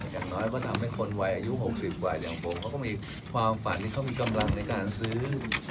อย่างน้อยก็ทำให้คนวัยอายุ๖๐กว่าอย่างผมเขาก็มีความฝันที่เขามีกำลังในการซื้อ